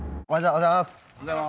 ・おはようございます。